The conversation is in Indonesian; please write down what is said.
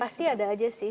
pasti ada aja sih